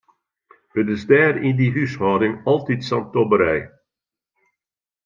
It is dêr yn dy húshâlding altyd sa'n tobberij.